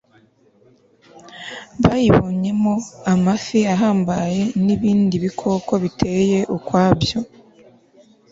bayibonyemo amafi ahambaye n'ibindi bikoko biteye ukwabyo